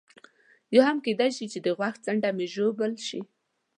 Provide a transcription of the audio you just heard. یا هم کېدای شي چې د غوږ څنډه مې ژوبل شي.